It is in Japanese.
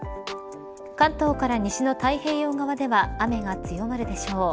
関東から西の太平洋側では雨が強まるでしょう。